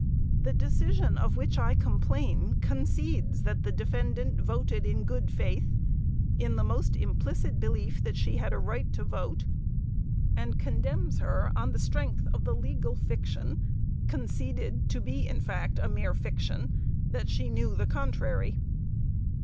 The decision of which I complain concedes that the defendant voted in good faith, in the most implicit belief that she had a right to vote, and condemns her on the strength of the legal fiction, conceded to be in fact a mere fiction, that she knew the contrary.